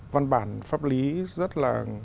văn bản pháp lý rất là